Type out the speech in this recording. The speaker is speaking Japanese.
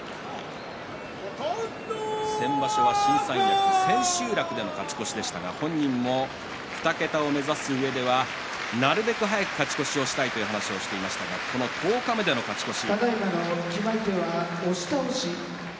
先場所は新三役、千秋楽での勝ち越しでしたが、本人も２桁を目指すうえではなるべく早く勝ち越しをしたいという話をしていましたが十日目での勝ち越し。